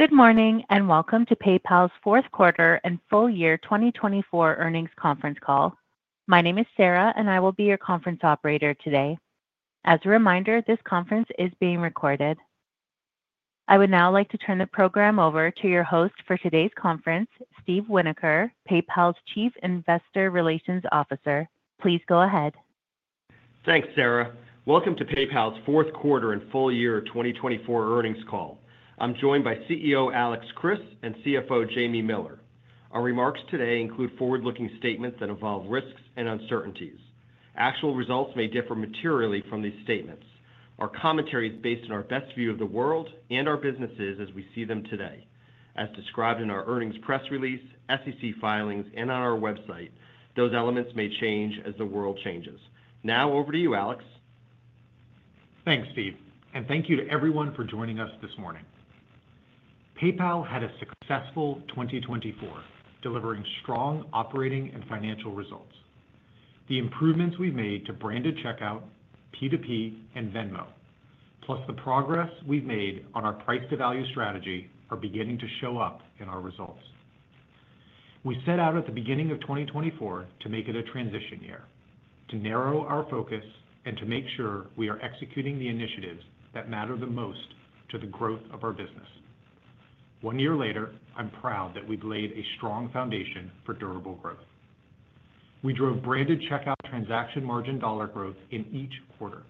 Good morning and welcome to PayPal's fourth quarter and full year 2024 earnings conference call. My name is Sarah, and I will be your conference operator today. As a reminder, this conference is being recorded. I would now like to turn the program over to your host for today's conference, Steve Winoker, PayPal's Chief Investor Relations Officer. Please go ahead. Thanks, Sarah. Welcome to PayPal's fourth quarter and full year 2024 earnings call. I'm joined by CEO Alex Chriss and CFO Jamie Miller. Our remarks today include forward-looking statements that involve risks and uncertainties. Actual results may differ materially from these statements. Our commentary is based on our best view of the world and our businesses as we see them today. As described in our earnings press release, SEC filings, and on our website, those elements may change as the world changes. Now, over to you, Alex. Thanks, Steve, and thank you to everyone for joining us this morning. PayPal had a successful 2024, delivering strong operating and financial results. The improvements we've made to branded checkout, P2P, and Venmo, plus the progress we've made on our price-to-value strategy, are beginning to show up in our results. We set out at the beginning of 2024 to make it a transition year, to narrow our focus, and to make sure we are executing the initiatives that matter the most to the growth of our business. One year later, I'm proud that we've laid a strong foundation for durable growth. We drove branded checkout transaction margin dollar growth in each quarter.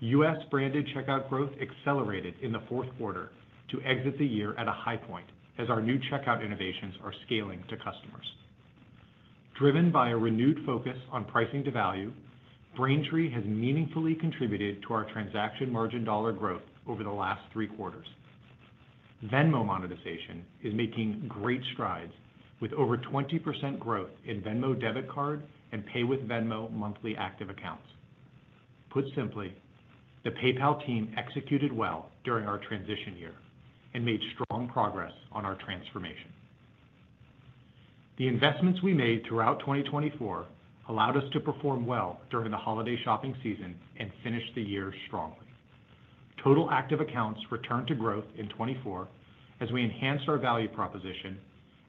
U.S. branded checkout growth accelerated in the fourth quarter to exit the year at a high point as our new checkout innovations are scaling to customers. Driven by a renewed focus on pricing to value, Braintree has meaningfully contributed to our transaction margin dollar growth over the last three quarters. Venmo monetization is making great strides, with over 20% growth in Venmo Debit Card and Pay with Venmo monthly active accounts. Put simply, the PayPal team executed well during our transition year and made strong progress on our transformation. The investments we made throughout 2024 allowed us to perform well during the holiday shopping season and finish the year strongly. Total active accounts returned to growth in 2024 as we enhanced our value proposition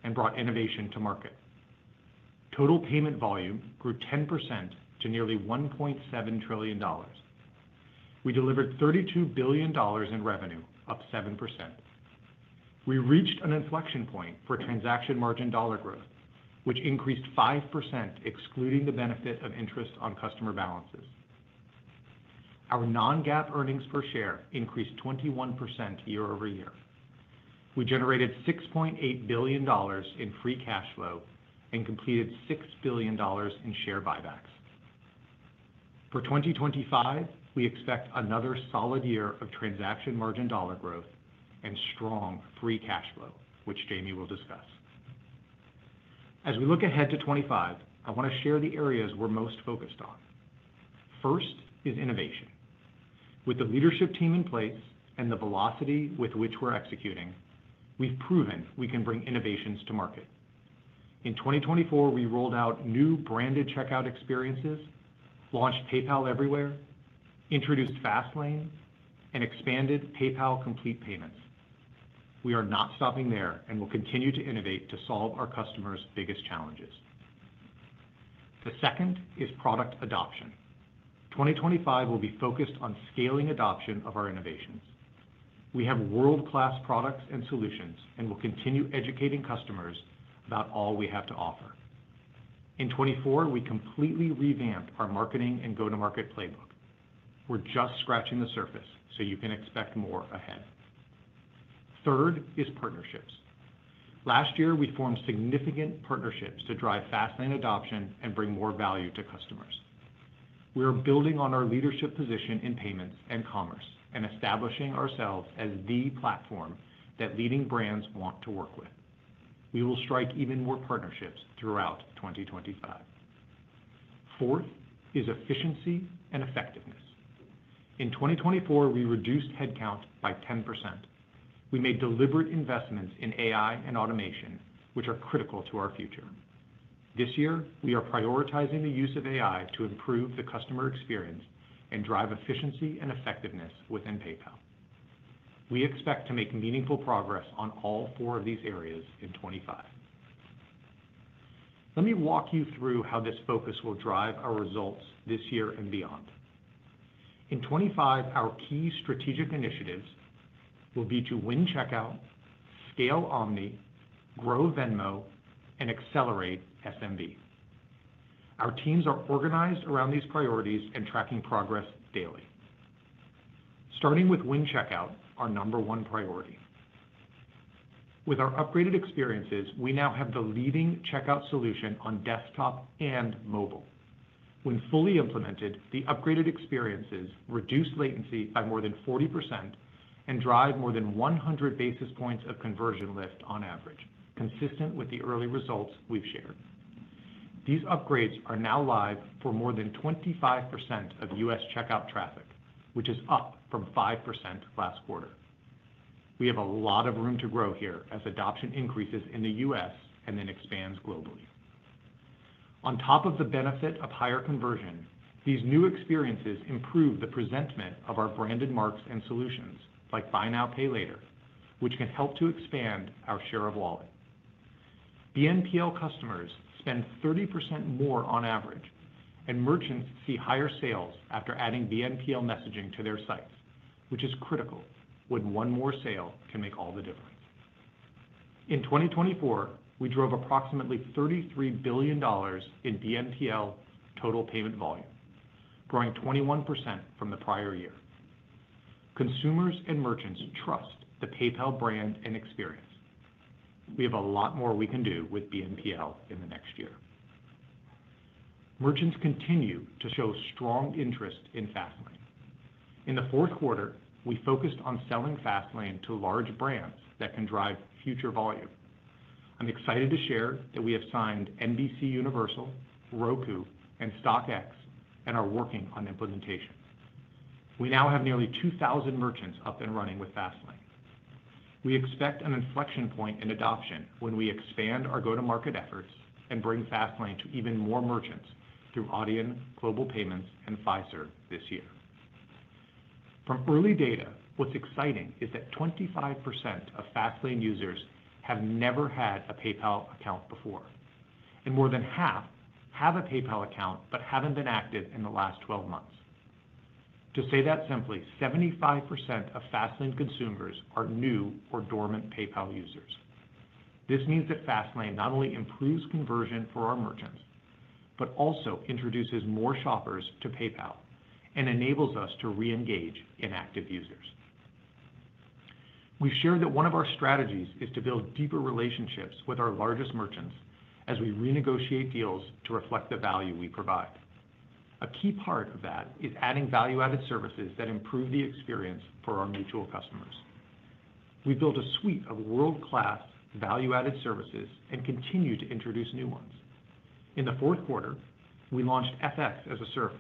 and brought innovation to market. Total payment volume grew 10% to nearly $1.7 trillion. We delivered $32 billion in revenue, up 7%. We reached an inflection point for transaction margin dollar growth, which increased 5%, excluding the benefit of interest on customer balances. Our non-GAAP earnings per share increased 21% year-over-year. We generated $6.8 billion in free cash flow and completed $6 billion in share buybacks. For 2025, we expect another solid year of transaction margin dollar growth and strong free cash flow, which Jamie will discuss. As we look ahead to 2025, I want to share the areas we're most focused on. First is innovation. With the leadership team in place and the velocity with which we're executing, we've proven we can bring innovations to market. In 2024, we rolled out new branded checkout experiences, launched PayPal Everywhere, introduced Fastlane, and expanded PayPal Complete Payments. We are not stopping there and will continue to innovate to solve our customers' biggest challenges. The second is product adoption. 2025 will be focused on scaling adoption of our innovations. We have world-class products and solutions and will continue educating customers about all we have to offer. In 2024, we completely revamped our marketing and go-to-market playbook. We're just scratching the surface, so you can expect more ahead. Third is partnerships. Last year, we formed significant partnerships to drive Fastlane adoption and bring more value to customers. We are building on our leadership position in payments and commerce and establishing ourselves as the platform that leading brands want to work with. We will strike even more partnerships throughout 2025. Fourth is efficiency and effectiveness. In 2024, we reduced headcount by 10%. We made deliberate investments in AI and automation, which are critical to our future. This year, we are prioritizing the use of AI to improve the customer experience and drive efficiency and effectiveness within PayPal. We expect to make meaningful progress on all four of these areas in 2025. Let me walk you through how this focus will drive our results this year and beyond. In 2025, our key strategic initiatives will be to win checkout, scale Omni, grow Venmo, and accelerate SMB. Our teams are organized around these priorities and tracking progress daily. Starting with win checkout, our number one priority. With our upgraded experiences, we now have the leading checkout solution on desktop and mobile. When fully implemented, the upgraded experiences reduce latency by more than 40% and drive more than 100 basis points of conversion lift on average, consistent with the early results we've shared. These upgrades are now live for more than 25% of U.S. checkout traffic, which is up from 5% last quarter. We have a lot of room to grow here as adoption increases in the U.S. and then expands globally. On top of the benefit of higher conversion, these new experiences improve the presentment of our branded marks and solutions like Buy Now Pay Later, which can help to expand our share of wallet. BNPL customers spend 30% more on average, and merchants see higher sales after adding BNPL messaging to their sites, which is critical when one more sale can make all the difference. In 2024, we drove approximately $33 billion in BNPL total payment volume, growing 21% from the prior year. Consumers and merchants trust the PayPal brand and experience. We have a lot more we can do with BNPL in the next year. Merchants continue to show strong interest in Fastlane. In the fourth quarter, we focused on selling Fastlane to large brands that can drive future volume. I'm excited to share that we have signed NBCUniversal, Roku, and StockX and are working on implementation. We now have nearly 2,000 merchants up and running with Fastlane. We expect an inflection point in adoption when we expand our go-to-market efforts and bring Fastlane to even more merchants through Adyen, Global Payments, and Fiserv this year. From early data, what's exciting is that 25% of Fastlane users have never had a PayPal account before, and more than half have a PayPal account but haven't been active in the last 12 months. To say that simply, 75% of Fastlane consumers are new or dormant PayPal users. This means that Fastlane not only improves conversion for our merchants, but also introduces more shoppers to PayPal and enables us to re-engage inactive users. We've shared that one of our strategies is to build deeper relationships with our largest merchants as we renegotiate deals to reflect the value we provide. A key part of that is adding value-added services that improve the experience for our mutual customers. We built a suite of world-class value-added services and continue to introduce new ones. In the fourth quarter, we launched FX as a Service,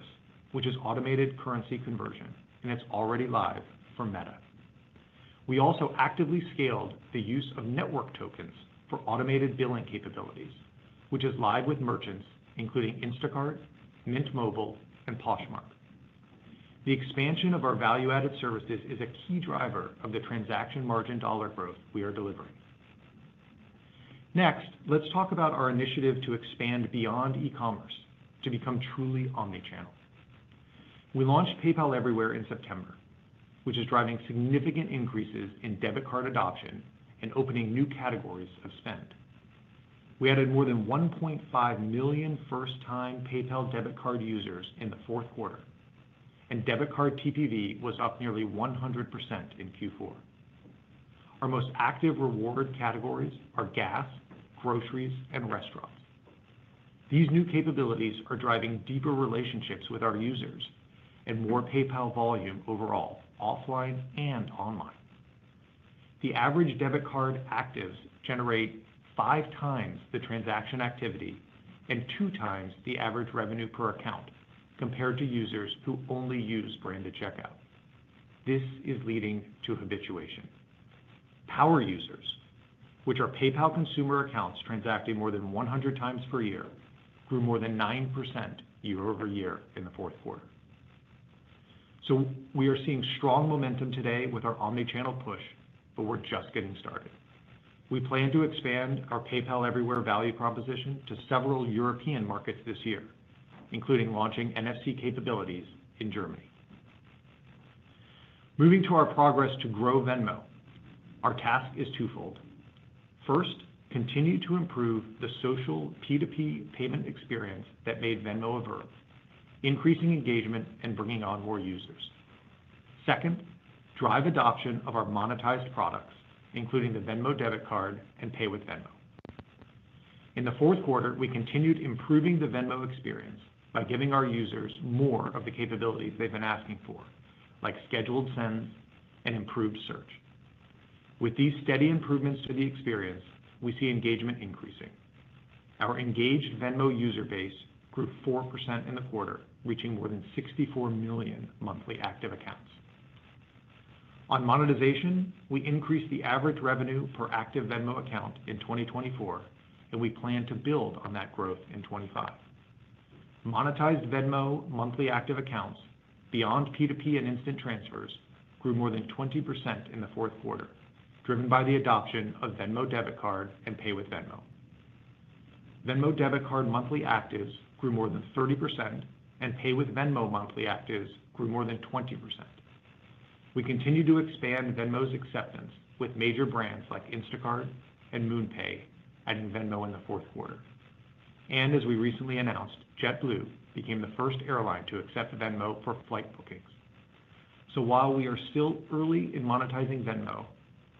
which is automated currency conversion, and it's already live for Meta. We also actively scaled the use of network tokens for automated billing capabilities, which is live with merchants, including Instacart, Mint Mobile, and Poshmark. The expansion of our value-added services is a key driver of the transaction margin dollar growth we are delivering. Next, let's talk about our initiative to expand beyond e-commerce to become truly omnichannel. We launched PayPal Everywhere in September, which is driving significant increases in debit card adoption and opening new categories of spend. We added more than 1.5 million first-time PayPal Debit Card users in the fourth quarter, and debit card TPV was up nearly 100% in Q4. Our most active reward categories are gas, groceries, and restaurants. These new capabilities are driving deeper relationships with our users and more PayPal volume overall, offline and online. The average debit card actives generate five times the transaction activity and two times the average revenue per account compared to users who only use branded checkout. This is leading to habituation. Power users, which are PayPal consumer accounts transacting more than 100 times per year, grew more than 9% year-over-year in the fourth quarter. So we are seeing strong momentum today with our omnichannel push, but we're just getting started. We plan to expand our PayPal Everywhere value proposition to several European markets this year, including launching NFC capabilities in Germany. Moving to our progress to grow Venmo, our task is twofold. First, continue to improve the social P2P payment experience that made Venmo a verb, increasing engagement and bringing on more users. Second, drive adoption of our monetized products, including the Venmo Debit Card and Pay with Venmo. In the fourth quarter, we continued improving the Venmo experience by giving our users more of the capabilities they've been asking for, like scheduled sends and improved search. With these steady improvements to the experience, we see engagement increasing. Our engaged Venmo user base grew 4% in the quarter, reaching more than 64 million monthly active accounts. On monetization, we increased the average revenue per active Venmo account in 2024, and we plan to build on that growth in 2025. Monetized Venmo monthly active accounts beyond P2P and instant transfers grew more than 20% in the fourth quarter, driven by the adoption of Venmo Debit Card and Pay with Venmo. Venmo Debit Card monthly actives grew more than 30%, and Pay with Venmo monthly actives grew more than 20%. We continue to expand Venmo's acceptance with major brands like Instacart and MoonPay, adding Venmo in the fourth quarter, and as we recently announced, JetBlue became the first airline to accept Venmo for flight bookings, so while we are still early in monetizing Venmo,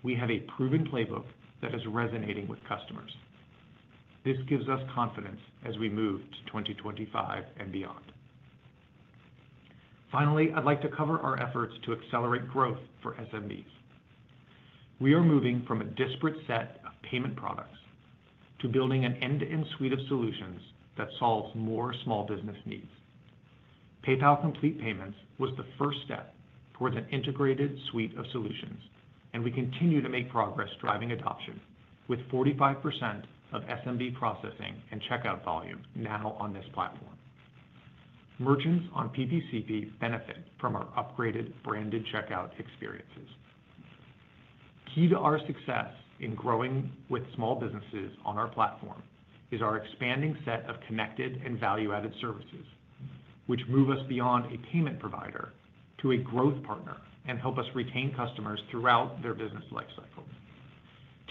we have a proven playbook that is resonating with customers. This gives us confidence as we move to 2025 and beyond. Finally, I'd like to cover our efforts to accelerate growth for SMBs. We are moving from a disparate set of payment products to building an end-to-end suite of solutions that solves more small business needs. PayPal Complete Payments was the first step towards an integrated suite of solutions, and we continue to make progress driving adoption, with 45% of SMB processing and checkout volume now on this platform. Merchants on PPCP benefit from our upgraded branded checkout experiences. Key to our success in growing with small businesses on our platform is our expanding set of connected and value-added services, which move us beyond a payment provider to a growth partner and help us retain customers throughout their business lifecycle.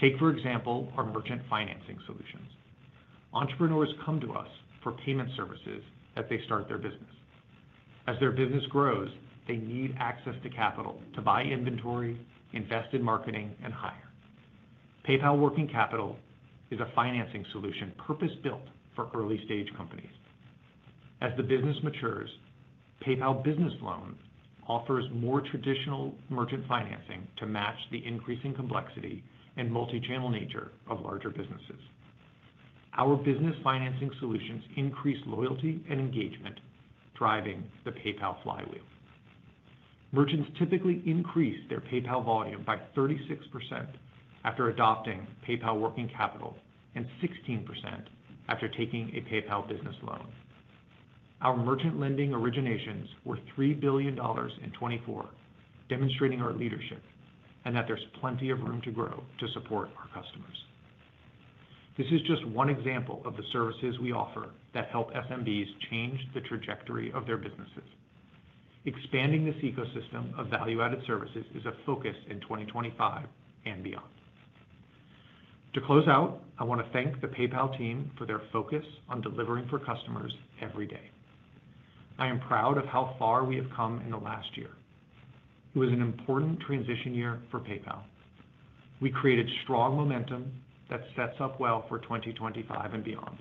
Take, for example, our merchant financing solutions. Entrepreneurs come to us for payment services as they start their business. As their business grows, they need access to capital to buy inventory, invest in marketing, and hire. PayPal Working Capital is a financing solution purpose-built for early-stage companies. As the business matures, PayPal Business Loan offers more traditional merchant financing to match the increasing complexity and multi-channel nature of larger businesses. Our business financing solutions increase loyalty and engagement, driving the PayPal flywheel. Merchants typically increase their PayPal volume by 36% after adopting PayPal Working Capital and 16% after taking a PayPal Business Loan. Our merchant lending originations were $3 billion in 2024, demonstrating our leadership and that there's plenty of room to grow to support our customers. This is just one example of the services we offer that help SMBs change the trajectory of their businesses. Expanding this ecosystem of value-added services is a focus in 2025 and beyond. To close out, I want to thank the PayPal team for their focus on delivering for customers every day. I am proud of how far we have come in the last year. It was an important transition year for PayPal. We created strong momentum that sets up well for 2025 and beyond.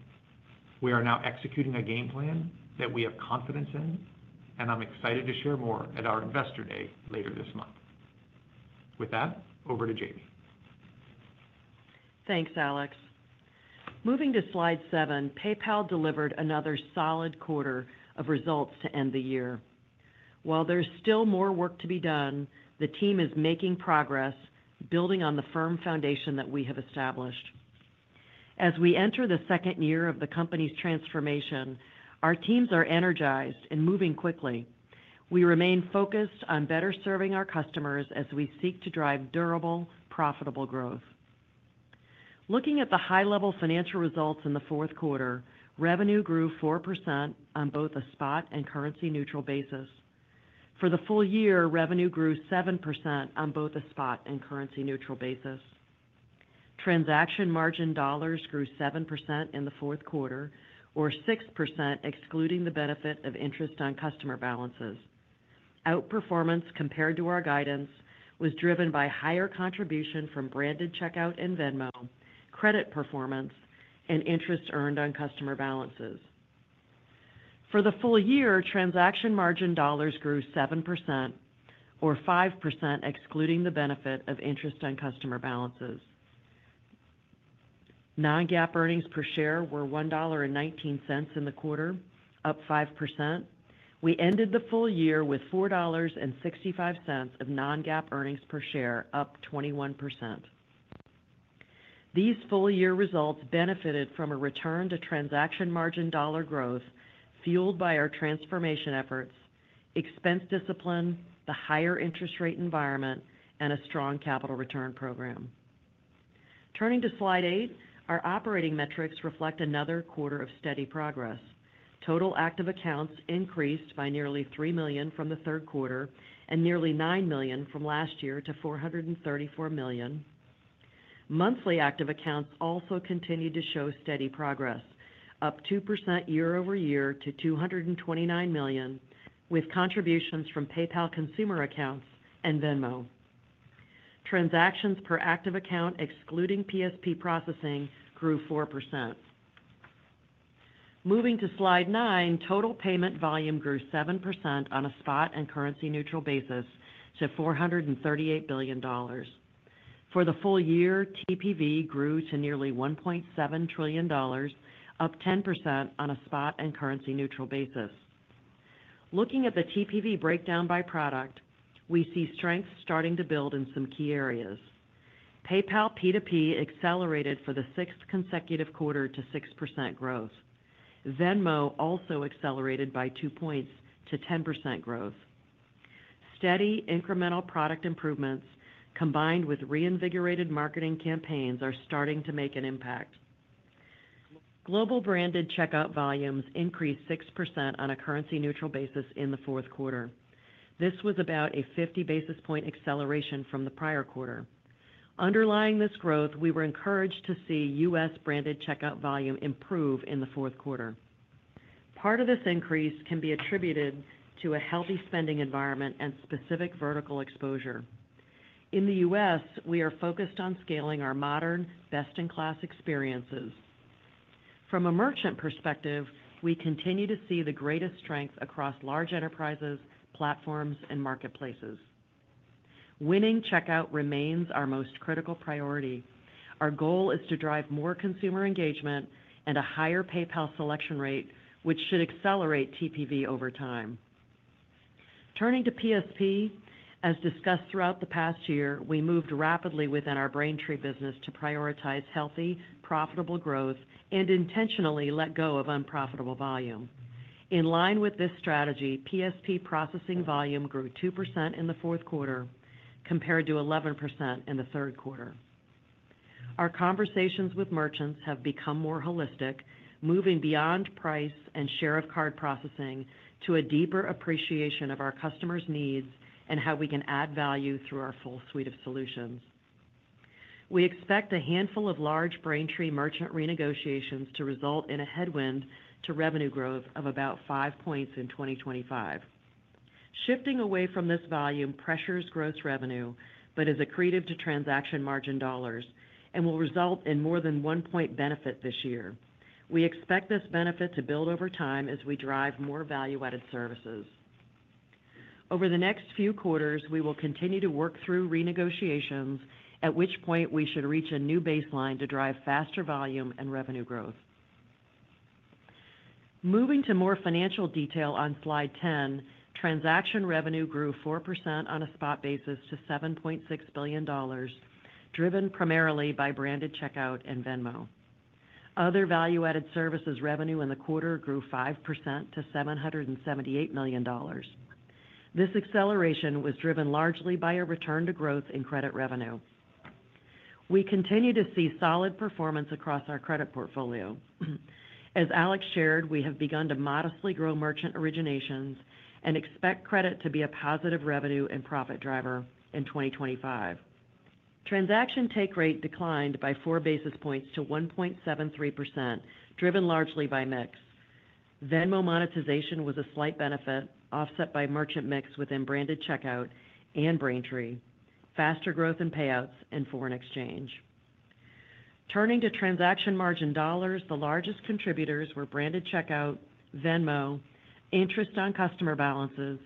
We are now executing a game plan that we have confidence in, and I'm excited to share more at our Investor Day later this month. With that, over to Jamie. Thanks, Alex. Moving to slide seven, PayPal delivered another solid quarter of results to end the year. While there's still more work to be done, the team is making progress, building on the firm foundation that we have established. As we enter the second year of the company's transformation, our teams are energized and moving quickly. We remain focused on better serving our customers as we seek to drive durable, profitable growth. Looking at the high-level financial results in the fourth quarter, revenue grew 4% on both a spot and currency-neutral basis. For the full year, revenue grew 7% on both a spot and currency-neutral basis. Transaction margin dollars grew 7% in the fourth quarter, or 6% excluding the benefit of interest on customer balances. Outperformance compared to our guidance was driven by higher contribution from branded checkout and Venmo, credit performance, and interest earned on customer balances. For the full year, transaction margin dollars grew 7%, or 5% excluding the benefit of interest on customer balances. Non-GAAP earnings per share were $1.19 in the quarter, up 5%. We ended the full year with $4.65 of non-GAAP earnings per share, up 21%. These full-year results benefited from a return to transaction margin dollar growth fueled by our transformation efforts, expense discipline, the higher interest rate environment, and a strong capital return program. Turning to slide eight, our operating metrics reflect another quarter of steady progress. Total active accounts increased by nearly 3 million from the third quarter and nearly 9 million from last year to 434 million. Monthly active accounts also continued to show steady progress, up 2% year-over-year to 229 million, with contributions from PayPal consumer accounts and Venmo. Transactions per active account excluding PSP processing grew 4%. Moving to slide nine, total payment volume grew 7% on a spot and currency-neutral basis to $438 billion. For the full year, TPV grew to nearly $1.7 trillion, up 10% on a spot and currency-neutral basis. Looking at the TPV breakdown by product, we see strength starting to build in some key areas. PayPal P2P accelerated for the sixth consecutive quarter to 6% growth. Venmo also accelerated by two points to 10% growth. Steady incremental product improvements combined with reinvigorated marketing campaigns are starting to make an impact. Global branded checkout volumes increased 6% on a currency-neutral basis in the fourth quarter. This was about a 50 basis points acceleration from the prior quarter. Underlying this growth, we were encouraged to see U.S. branded checkout volume improve in the fourth quarter. Part of this increase can be attributed to a healthy spending environment and specific vertical exposure. In the U.S., we are focused on scaling our modern, best-in-class experiences. From a merchant perspective, we continue to see the greatest strength across large enterprises, platforms, and marketplaces. Winning checkout remains our most critical priority. Our goal is to drive more consumer engagement and a higher PayPal selection rate, which should accelerate TPV over time. Turning to PSP, as discussed throughout the past year, we moved rapidly within our Braintree business to prioritize healthy, profitable growth and intentionally let go of unprofitable volume. In line with this strategy, PSP processing volume grew 2% in the fourth quarter compared to 11% in the third quarter. Our conversations with merchants have become more holistic, moving beyond price and share of card processing to a deeper appreciation of our customers' needs and how we can add value through our full suite of solutions. We expect a handful of large Braintree merchant renegotiations to result in a headwind to revenue growth of about five points in 2025. Shifting away from this volume pressures gross revenue, but is accretive to transaction margin dollars and will result in more than one-point benefit this year. We expect this benefit to build over time as we drive more value-added services. Over the next few quarters, we will continue to work through renegotiations, at which point we should reach a new baseline to drive faster volume and revenue growth. Moving to more financial detail on slide 10, transaction revenue grew 4% on a spot basis to $7.6 billion, driven primarily by branded checkout and Venmo. Other value-added services revenue in the quarter grew 5% to $778 million. This acceleration was driven largely by a return to growth in credit revenue. We continue to see solid performance across our credit portfolio. As Alex shared, we have begun to modestly grow merchant originations and expect credit to be a positive revenue and profit driver in 2025. Transaction take rate declined by four basis points to 1.73%, driven largely by mix. Venmo monetization was a slight benefit, offset by merchant mix within branded checkout and Braintree, faster growth in payouts and foreign exchange. Turning to transaction margin dollars, the largest contributors were branded checkout, Venmo, interest on customer balances,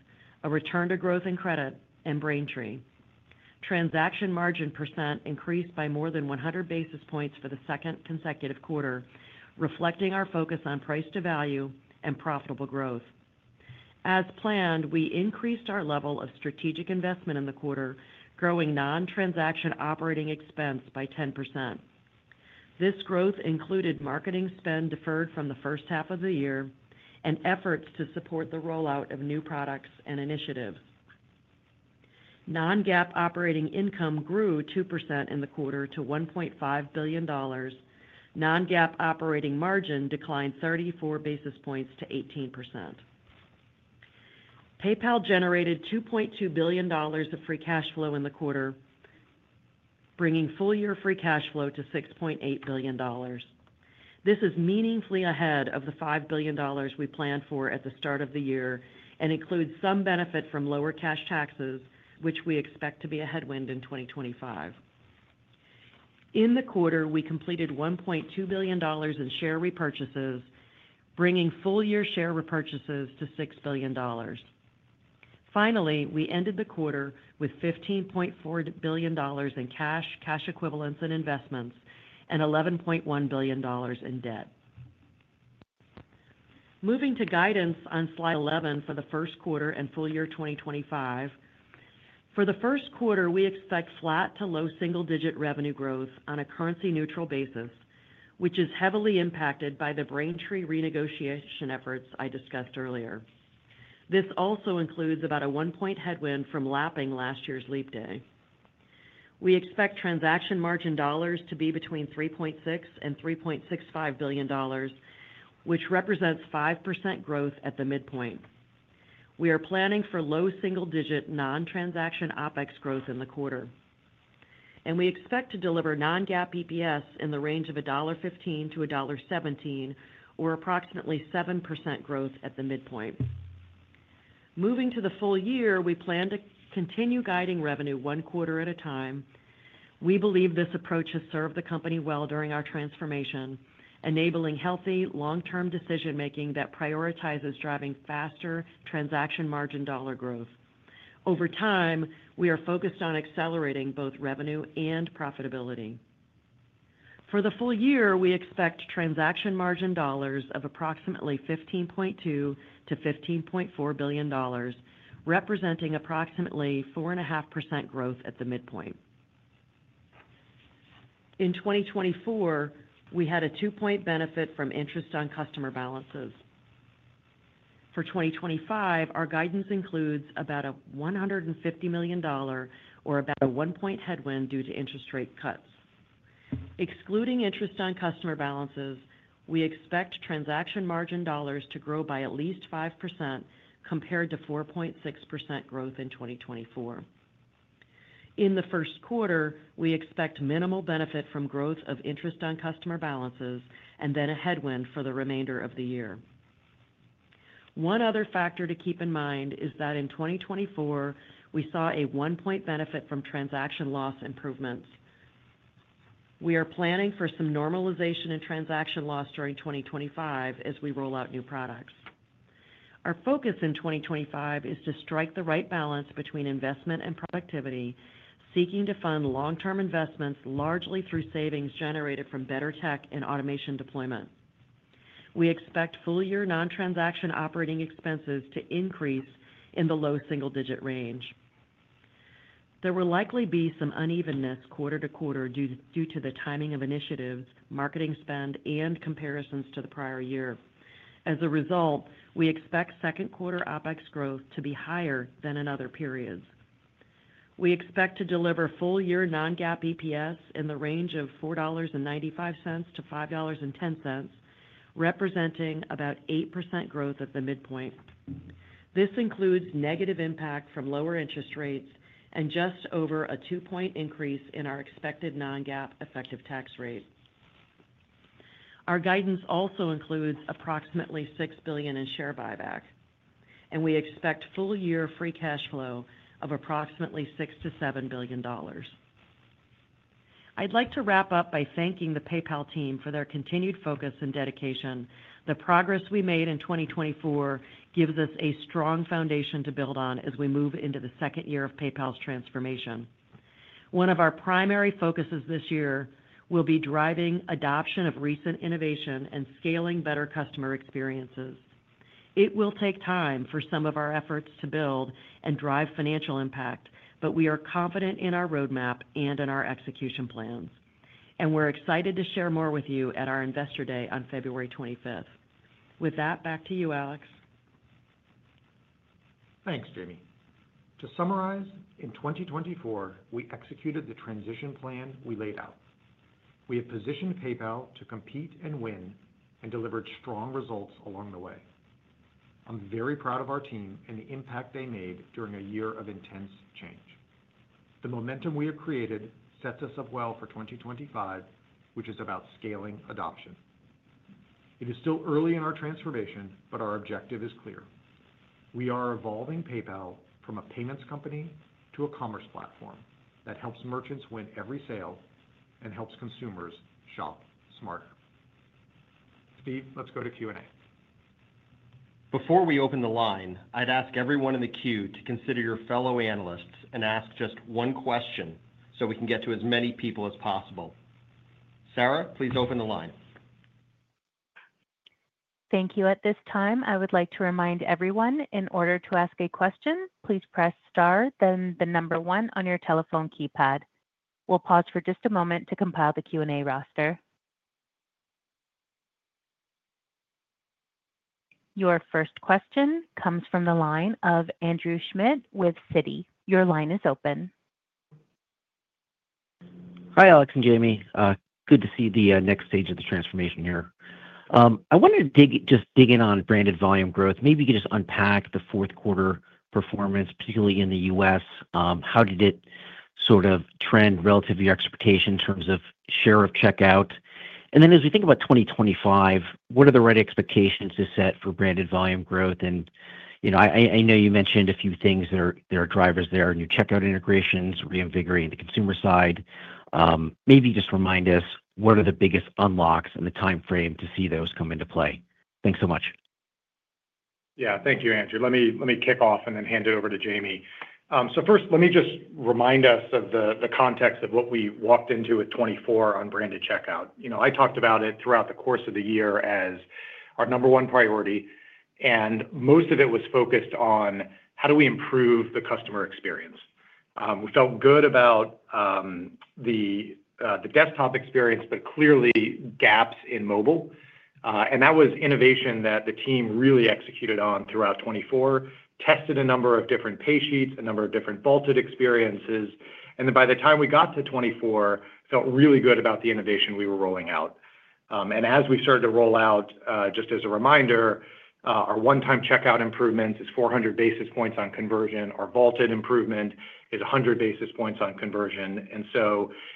a return to growth in credit, and Braintree. Transaction margin percent increased by more than 100 basis points for the second consecutive quarter, reflecting our focus on price to value and profitable growth. As planned, we increased our level of strategic investment in the quarter, growing non-transaction operating expense by 10%. This growth included marketing spend deferred from the first half of the year and efforts to support the rollout of new products and initiatives. Non-GAAP operating income grew 2% in the quarter to $1.5 billion. Non-GAAP operating margin declined 34 basis points to 18%. PayPal generated $2.2 billion of free cash flow in the quarter, bringing full-year free cash flow to $6.8 billion. This is meaningfully ahead of the $5 billion we planned for at the start of the year and includes some benefit from lower cash taxes, which we expect to be a headwind in 2025. In the quarter, we completed $1.2 billion in share repurchases, bringing full-year share repurchases to $6 billion. Finally, we ended the quarter with $15.4 billion in cash, cash equivalents, and investments, and $11.1 billion in debt. Moving to guidance on slide 11 for the first quarter and full year 2025. For the first quarter, we expect flat to low single-digit revenue growth on a currency-neutral basis, which is heavily impacted by the Braintree renegotiation efforts I discussed earlier. This also includes about a one-point headwind from lapping last year's leap day. We expect transaction margin dollars to be between $3.6 and $3.65 billion, which represents 5% growth at the midpoint. We are planning for low single-digit non-transaction OpEx growth in the quarter, and we expect to deliver non-GAAP EPS in the range of $1.15 to $1.17, or approximately 7% growth at the midpoint. Moving to the full year, we plan to continue guiding revenue one quarter at a time. We believe this approach has served the company well during our transformation, enabling healthy, long-term decision-making that prioritizes driving faster transaction margin dollar growth. Over time, we are focused on accelerating both revenue and profitability. For the full year, we expect transaction margin dollars of approximately $15.2 billion-$15.4 billion, representing approximately 4.5% growth at the midpoint. In 2024, we had a two-point benefit from interest on customer balances. For 2025, our guidance includes about a $150 million, or about a one-point headwind due to interest rate cuts. Excluding interest on customer balances, we expect transaction margin dollars to grow by at least 5% compared to 4.6% growth in 2024. In the first quarter, we expect minimal benefit from growth of interest on customer balances and then a headwind for the remainder of the year. One other factor to keep in mind is that in 2024, we saw a one-point benefit from transaction loss improvements. We are planning for some normalization in transaction loss during 2025 as we roll out new products. Our focus in 2025 is to strike the right balance between investment and productivity, seeking to fund long-term investments largely through savings generated from better tech and automation deployment. We expect full-year non-transaction operating expenses to increase in the low single-digit range. There will likely be some unevenness quarter to quarter due to the timing of initiatives, marketing spend, and comparisons to the prior year. As a result, we expect second quarter OpEx growth to be higher than in other periods. We expect to deliver full-year non-GAAP EPS in the range of $4.95-$5.10, representing about 8% growth at the midpoint. This includes negative impact from lower interest rates and just over a two-point increase in our expected non-GAAP effective tax rate. Our guidance also includes approximately $6 billion in share buyback, and we expect full-year free cash flow of approximately $6 billion-$7 billion. I'd like to wrap up by thanking the PayPal team for their continued focus and dedication. The progress we made in 2024 gives us a strong foundation to build on as we move into the second year of PayPal's transformation. One of our primary focuses this year will be driving adoption of recent innovation and scaling better customer experiences. It will take time for some of our efforts to build and drive financial impact, but we are confident in our roadmap and in our execution plans, and we're excited to share more with you at our Investor Day on February 25th. With that, back to you, Alex. Thanks, Jamie. To summarize, in 2024, we executed the transition plan we laid out. We have positioned PayPal to compete and win and delivered strong results along the way. I'm very proud of our team and the impact they made during a year of intense change. The momentum we have created sets us up well for 2025, which is about scaling adoption. It is still early in our transformation, but our objective is clear. We are evolving PayPal from a payments company to a commerce platform that helps merchants win every sale and helps consumers shop smarter. Steve, let's go to Q&A. Before we open the line, I'd ask everyone in the queue to consider your fellow analysts and ask just one question so we can get to as many people as possible. Sarah, please open the line. Thank you. At this time, I would like to remind everyone, in order to ask a question, please press star, then the number one on your telephone keypad. We'll pause for just a moment to compile the Q&A roster. Your first question comes from the line of Andrew Schmidt with Citi. Your line is open. Hi, Alex and Jamie. Good to see the next stage of the transformation here. I wanted to just dig in on branded volume growth. Maybe you could just unpack the fourth quarter performance, particularly in the U.S. How did it sort of trend relative to your expectation in terms of share of checkout? And then as we think about 2025, what are the right expectations to set for branded volume growth? And I know you mentioned a few things that are drivers there, new checkout integrations, reinvigorating the consumer side. Maybe just remind us, what are the biggest unlocks and the timeframe to see those come into play? Thanks so much. Yeah, thank you, Andrew. Let me kick off and then hand it over to Jamie. So first, let me just remind us of the context of what we walked into at 2024 on branded checkout. I talked about it throughout the course of the year as our number one priority, and most of it was focused on how do we improve the customer experience. We felt good about the desktop experience, but clearly gaps in mobile. And that was innovation that the team really executed on throughout 2024, tested a number of different pay sheets, a number of different vaulted experiences. And then by the time we got to 2024, felt really good about the innovation we were rolling out. And as we started to roll out, just as a reminder, our one-time checkout improvement is 400 basis points on conversion. Our vaulted improvement is 100 basis points on conversion.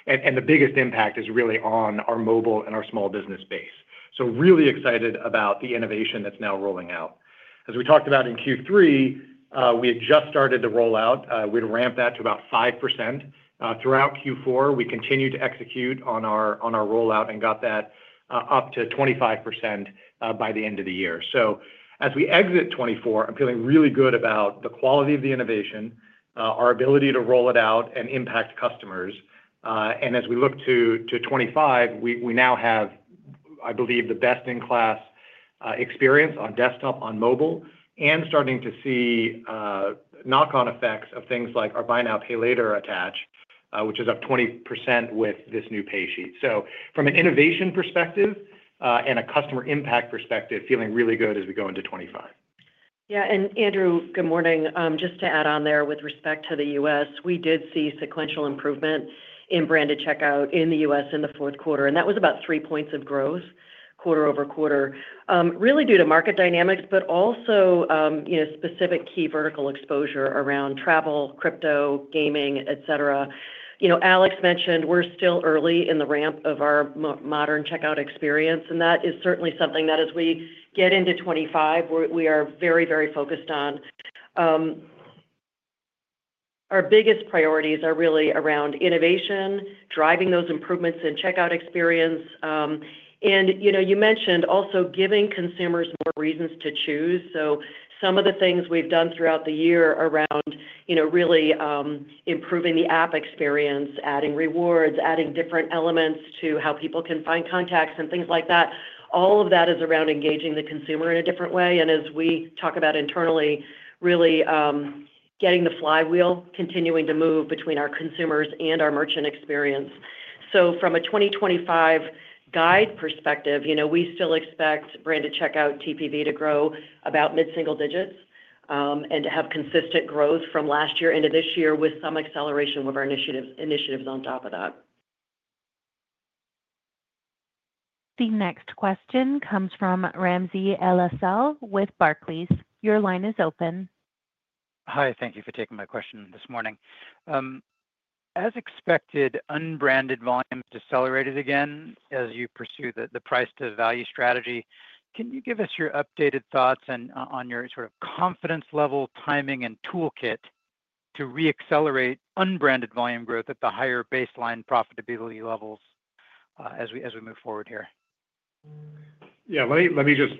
And the biggest impact is really on our mobile and our small business base. So really excited about the innovation that's now rolling out. As we talked about in Q3, we had just started the rollout. We'd ramped that to about 5%. Throughout Q4, we continued to execute on our rollout and got that up to 25% by the end of the year. So as we exit 2024, I'm feeling really good about the quality of the innovation, our ability to roll it out and impact customers. And as we look to 2025, we now have, I believe, the best-in-class experience on desktop, on mobile, and starting to see knock-on effects of things like our buy now, pay later attach, which is up 20% with this new pay sheet. So from an innovation perspective and a customer impact perspective, feeling really good as we go into 2025. Yeah. And Andrew, good morning. Just to add on there, with respect to the U.S., we did see sequential improvement in branded checkout in the U.S. in the fourth quarter. And that was about three points of growth quarter over quarter, really due to market dynamics, but also specific key vertical exposure around travel, crypto, gaming, etc. Alex mentioned we're still early in the ramp of our modern checkout experience, and that is certainly something that, as we get into 2025, we are very, very focused on. Our biggest priorities are really around innovation, driving those improvements in checkout experience, and you mentioned also giving consumers more reasons to choose, so some of the things we've done throughout the year around really improving the app experience, adding rewards, adding different elements to how people can find contacts and things like that, all of that is around engaging the consumer in a different way, and as we talk about internally, really getting the flywheel continuing to move between our consumers and our merchant experience. From a 2025 guide perspective, we still expect branded checkout TPV to grow about mid-single digits and to have consistent growth from last year into this year with some acceleration with our initiatives on top of that. The next question comes from Ramsey El-Assal with Barclays. Your line is open. Hi. Thank you for taking my question this morning. As expected, unbranded volume has decelerated again as you pursue the price-to-value strategy. Can you give us your updated thoughts on your sort of confidence level, timing, and toolkit to re-accelerate unbranded volume growth at the higher baseline profitability levels as we move forward here? Yeah. Let me just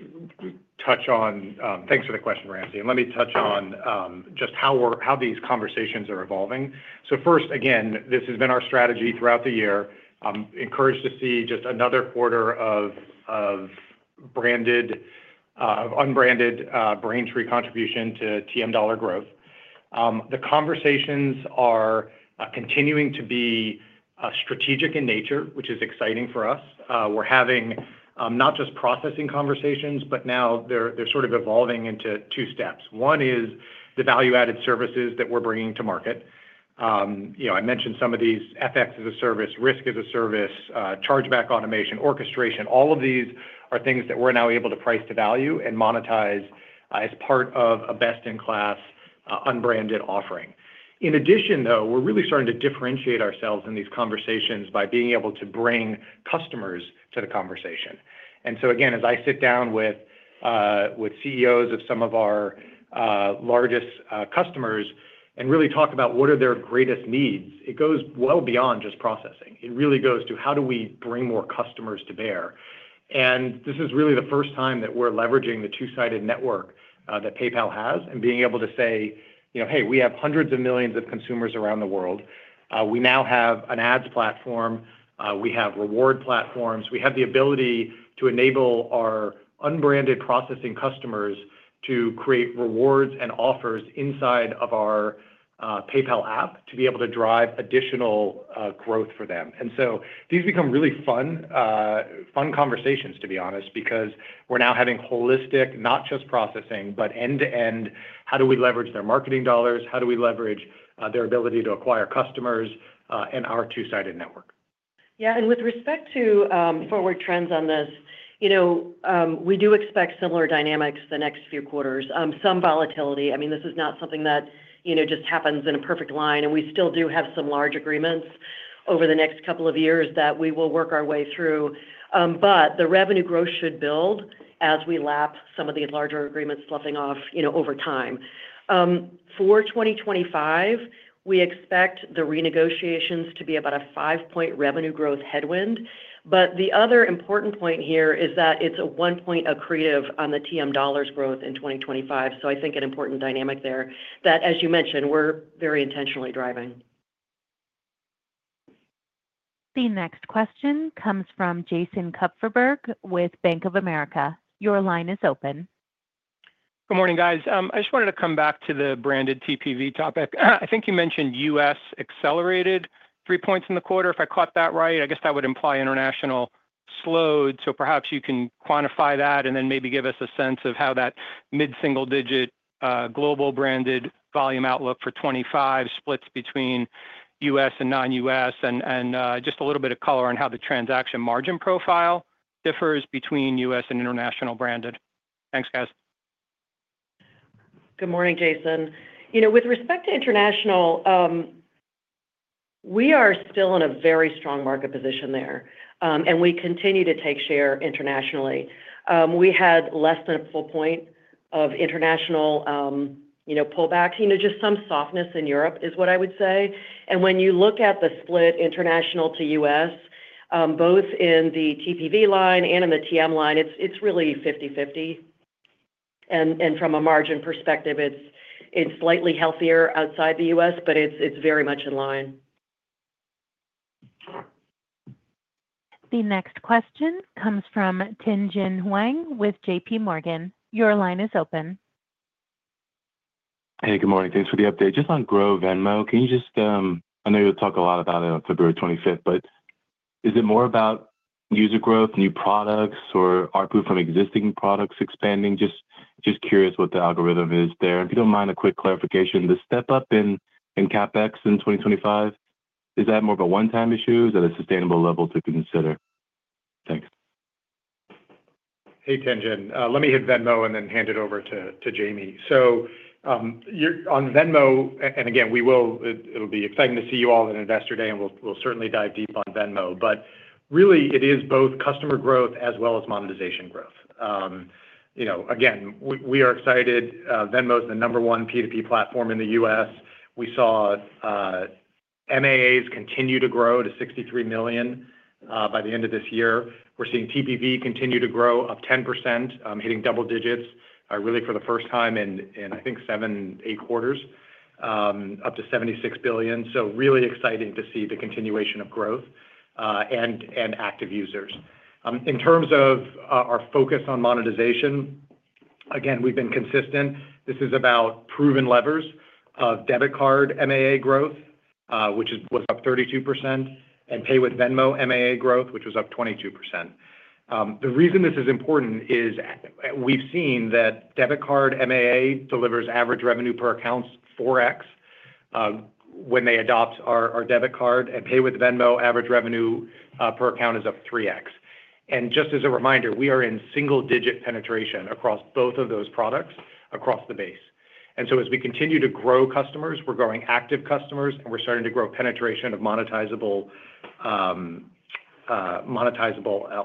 touch on thanks for the question, Ramsey. Let me touch on just how these conversations are evolving. First, again, this has been our strategy throughout the year. I'm encouraged to see just another quarter of unbranded Braintree contribution to transaction margin dollar growth. The conversations are continuing to be strategic in nature, which is exciting for us. We're having not just processing conversations, but now they're sort of evolving into two steps. One is the value-added services that we're bringing to market. I mentioned some of these: FX as a Service, Risk as a Service, Chargeback Automation, Orchestration. All of these are things that we're now able to price to value and monetize as part of a best-in-class unbranded offering. In addition, though, we're really starting to differentiate ourselves in these conversations by being able to bring customers to the conversation. And so, again, as I sit down with CEOs of some of our largest customers and really talk about what are their greatest needs, it goes well beyond just processing. It really goes to how do we bring more customers to bear. And this is really the first time that we're leveraging the two-sided network that PayPal has and being able to say, "Hey, we have hundreds of millions of consumers around the world. We now have an ads platform. We have reward platforms. We have the ability to enable our unbranded processing customers to create rewards and offers inside of our PayPal app to be able to drive additional growth for them." And so these become really fun conversations, to be honest, because we're now having holistic, not just processing, but end-to-end, how do we leverage their marketing dollars? How do we leverage their ability to acquire customers and our two-sided network? Yeah. And with respect to forward trends on this, we do expect similar dynamics the next few quarters, some volatility. I mean, this is not something that just happens in a perfect line, and we still do have some large agreements over the next couple of years that we will work our way through. But the revenue growth should build as we lap some of these larger agreements sloughing off over time. For 2025, we expect the renegotiations to be about a five-point revenue growth headwind. But the other important point here is that it's a one-point accretive on the TM dollars growth in 2025. So I think an important dynamic there that, as you mentioned, we're very intentionally driving. The next question comes from Jason Kupferberg with Bank of America. Your line is open. Good morning, guys. I just wanted to come back to the branded TPV topic. I think you mentioned U.S. accelerated three points in the quarter, if I caught that right. I guess that would imply international slowed. So perhaps you can quantify that and then maybe give us a sense of how that mid-single digit global branded volume outlook for 2025 splits between U.S. and non-U.S. and just a little bit of color on how the transaction margin profile differs between U.S. and international branded. Thanks, guys. Good morning, Jason. With respect to international, we are still in a very strong market position there, and we continue to take share internationally. We had less than a full point of international pullback. Just some softness in Europe is what I would say. And when you look at the split international to U.S., both in the TPV line and in the TM line, it's really 50/50. And from a margin perspective, it's slightly healthier outside the U.S., but it's very much in line. The next question comes from Tien-Tsin Huang with JPMorgan. Your line is open. Hey, good morning. Thanks for the update. Just on growth and moat, can you just - I know you'll talk a lot about it on February 25th, but is it more about user growth, new products, or output from existing products expanding? Just curious what the algorithm is there. If you don't mind a quick clarification, the step-up in CapEx in 2025, is that more of a one-time issue? Is that a sustainable level to consider? Thanks. Hey, Tien-Tsin. Let me hit Venmo and then hand it over to Jamie. So on Venmo, and again, it'll be exciting to see you all at Investor Day, and we'll certainly dive deep on Venmo. But really, it is both customer growth as well as monetization growth. Again, we are excited. Venmo is the number one P2P platform in the U.S. We saw MAAs continue to grow to 63 million by the end of this year. We're seeing TPV continue to grow up 10%, hitting double digits, really for the first time in, I think, seven, eight quarters, up to 76 billion, so really exciting to see the continuation of growth and active users. In terms of our focus on monetization, again, we've been consistent. This is about proven levers of debit card MAA growth, which was up 32%, and Pay with Venmo MAA growth, which was up 22%. The reason this is important is we've seen that debit card MAA delivers average revenue per account 4x when they adopt our debit card, and Pay with Venmo average revenue per account is up 3x. And just as a reminder, we are in single-digit penetration across both of those products across the base. And so as we continue to grow customers, we're growing active customers, and we're starting to grow penetration of monetizable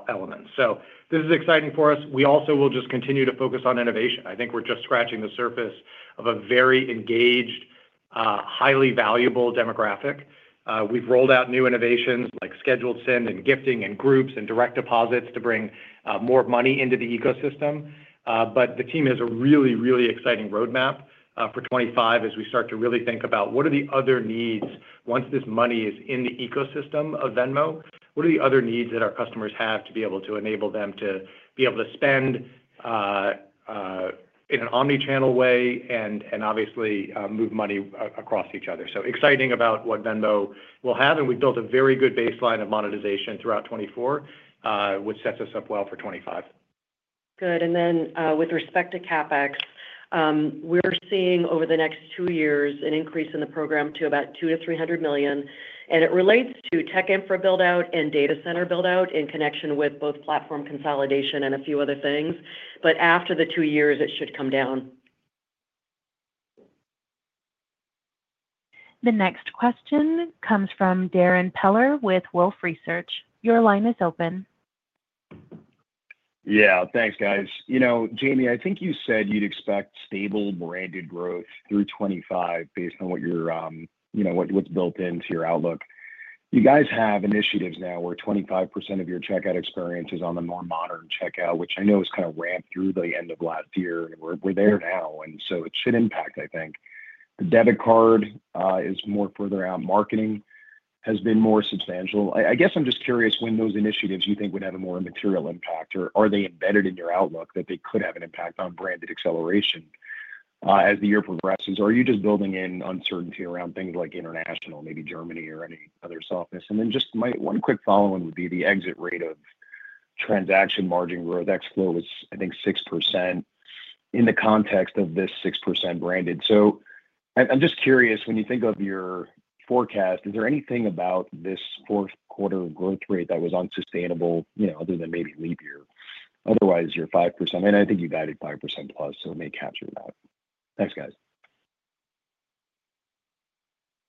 elements. So this is exciting for us. We also will just continue to focus on innovation. I think we're just scratching the surface of a very engaged, highly valuable demographic. We've rolled out new innovations like scheduled sends and gifting and groups and direct deposits to bring more money into the ecosystem. But the team has a really, really exciting roadmap for 2025 as we start to really think about what are the other needs once this money is in the ecosystem of Venmo. What are the other needs that our customers have to be able to enable them to be able to spend in an omnichannel way and obviously move money across each other? So exciting about what Venmo will have. And we've built a very good baseline of monetization throughout 2024, which sets us up well for 2025. Good. And then with respect to CapEx, we're seeing over the next two years an increase in the program to about $200 million-$300 million. And it relates to tech infra buildout and data center buildout in connection with both platform consolidation and a few other things. But after the two years, it should come down. The next question comes from Darrin Peller with Wolfe Research. Your line is open. Yeah. Thanks, guys. Jamie, I think you said you'd expect stable branded growth through 2025 based on what's built into your outlook. You guys have initiatives now where 25% of your checkout experience is on the more modern checkout, which I know has kind of ramped through the end of last year. And we're there now. And so it should impact, I think. The debit card is more further out. Marketing has been more substantial. I guess I'm just curious when those initiatives you think would have a more immaterial impact, or are they embedded in your outlook that they could have an impact on branded acceleration as the year progresses? Or are you just building in uncertainty around things like international, maybe Germany or any other softness? And then just one quick follow-on would be the exit rate of transaction margin growth. Exit was, I think, 6% in the context of this 6% branded. So I'm just curious, when you think of your forecast, is there anything about this fourth quarter growth rate that was unsustainable other than maybe leap year, otherwise your 5%? And I think you guided 5% plus, so it may capture that. Thanks, guys.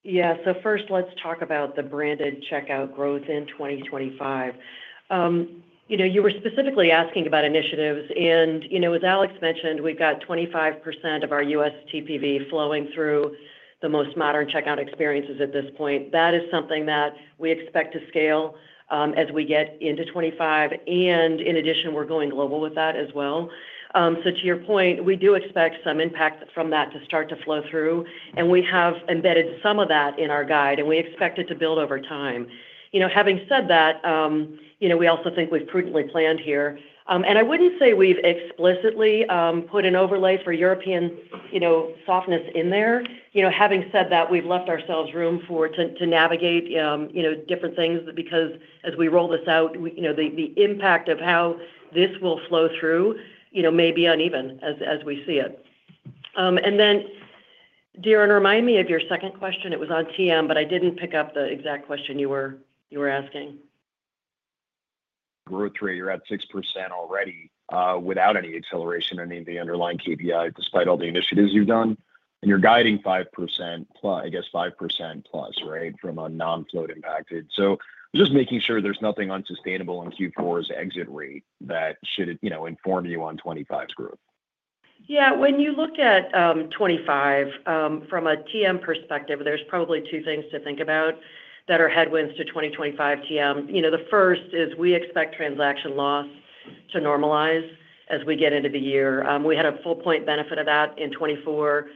Yeah. So first, let's talk about the branded checkout growth in 2025. You were specifically asking about initiatives. And as Alex mentioned, we've got 25% of our U.S. TPV flowing through the most modern checkout experiences at this point. That is something that we expect to scale as we get into 2025. And in addition, we're going global with that as well. So to your point, we do expect some impact from that to start to flow through. And we have embedded some of that in our guide, and we expect it to build over time. Having said that, we also think we've prudently planned here. And I wouldn't say we've explicitly put an overlay for European softness in there. Having said that, we've left ourselves room to navigate different things because as we roll this out, the impact of how this will flow through may be uneven as we see it. And then, Darrin, remind me of your second question. It was on TM, but I didn't pick up the exact question you were asking. Growth rate, you're at 6% already without any acceleration or any of the underlying KPIs despite all the initiatives you've done. And you're guiding 5% plus, I guess 5% plus, right, from a non-float impacted. So just making sure there's nothing unsustainable in Q4's exit rate that should inform you on 2025's growth. Yeah. When you look at 2025, from a TM perspective, there's probably two things to think about that are headwinds to 2025 TM. The first is we expect transaction loss to normalize as we get into the year. We had a full point benefit of that in 2024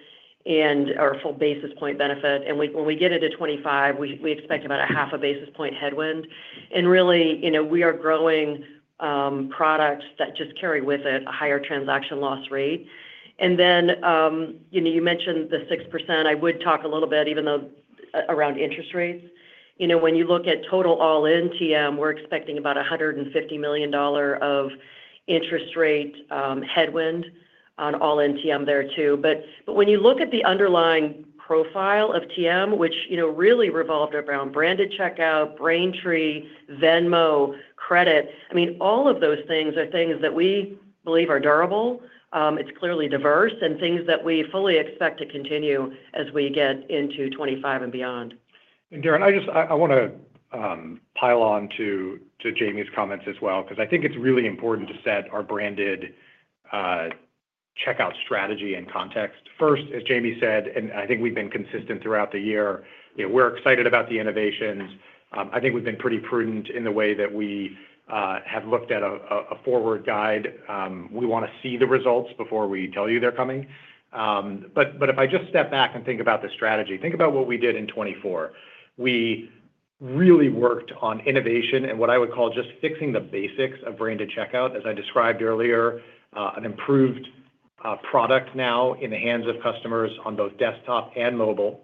and our full basis point benefit. And when we get into 2025, we expect about a half a basis point headwind. And really, we are growing products that just carry with it a higher transaction loss rate. And then you mentioned the 6%. I would talk a little bit around interest rates. When you look at total all-in TPV, we're expecting about a $150 million of interest rate headwind on all-in TPV there too. But when you look at the underlying profile of TPV, which really revolved around branded checkout, Braintree, Venmo, credit, I mean, all of those things are things that we believe are durable. It's clearly diverse and things that we fully expect to continue as we get into 2025 and beyond. And Darrin, I want to pile on to Jamie's comments as well because I think it's really important to set our branded checkout strategy in context. First, as Jamie said, and I think we've been consistent throughout the year, we're excited about the innovations. I think we've been pretty prudent in the way that we have looked at a forward guide. We want to see the results before we tell you they're coming. But if I just step back and think about the strategy, think about what we did in 2024. We really worked on innovation and what I would call just fixing the basics of branded checkout, as I described earlier, an improved product now in the hands of customers on both desktop and mobile.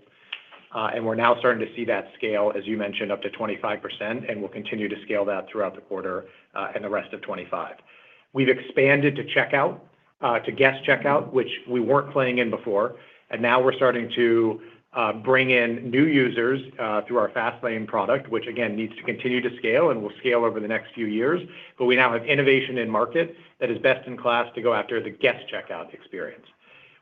We're now starting to see that scale, as you mentioned, up to 25%, and we'll continue to scale that throughout the quarter and the rest of 2025. We've expanded to checkout, to guest checkout, which we weren't playing in before. Now we're starting to bring in new users through our Fastlane product, which, again, needs to continue to scale and will scale over the next few years. We now have innovation in market that is best in class to go after the guest checkout experience.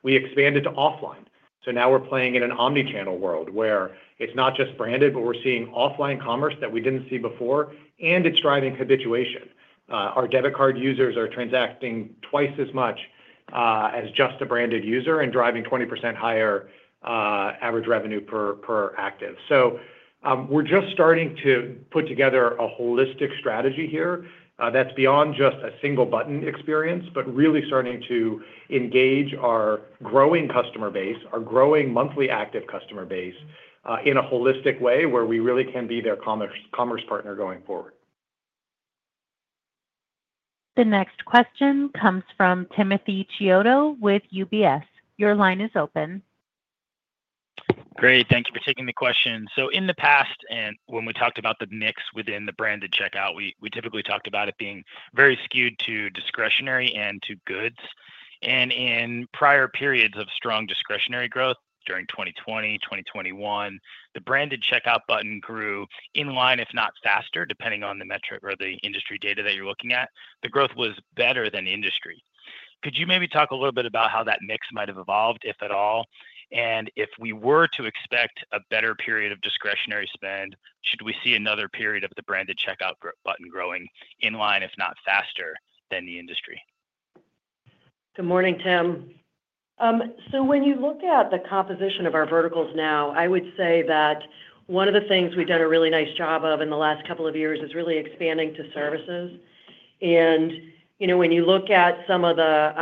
We expanded to offline. Now we're playing in an omnichannel world where it's not just branded, but we're seeing offline commerce that we didn't see before, and it's driving habituation. Our debit card users are transacting twice as much as just a branded user and driving 20% higher average revenue per active. So we're just starting to put together a holistic strategy here that's beyond just a single button experience, but really starting to engage our growing customer base, our growing monthly active customer base in a holistic way where we really can be their commerce partner going forward. The next question comes from Timothy Chiodo with UBS. Your line is open. Great. Thank you for taking the question. So in the past, and when we talked about the mix within the branded checkout, we typically talked about it being very skewed to discretionary and to goods. And in prior periods of strong discretionary growth during 2020, 2021, the branded checkout button grew in line, if not faster, depending on the metric or the industry data that you're looking at. The growth was better than industry. Could you maybe talk a little bit about how that mix might have evolved, if at all? And if we were to expect a better period of discretionary spend, should we see another period of the branded checkout button growing in line, if not faster than the industry? Good morning, Tim. So when you look at the composition of our verticals now, I would say that one of the things we've done a really nice job of in the last couple of years is really expanding to services. And when you look at some of the